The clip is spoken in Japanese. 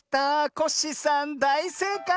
コッシーさんだいせいかい！